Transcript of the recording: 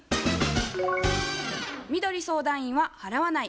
みどり相談員は「払わない」